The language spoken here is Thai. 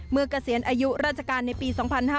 เมื่อกระเสียนอายุราชการในปี๒๕๕๙